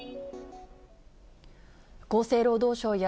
厚生労働省や、